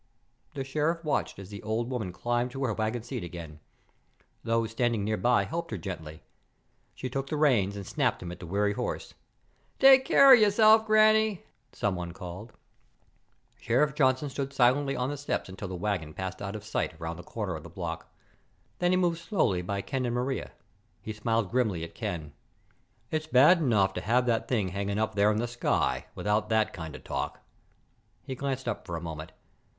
The Sheriff watched as the old woman climbed to her wagon seat again. Those standing nearby helped her gently. She took the reins and snapped them at the weary horse. "Take care of yourself, Granny!" someone called. Sheriff Johnson stood silently on the steps until the wagon passed out of sight around the corner of the block. Then he moved slowly by Ken and Maria. He smiled grimly at Ken. "It's bad enough to have that thing hanging up there in the sky without that kind of talk." He glanced up for a moment.